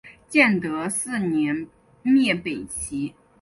建德四年灭北齐。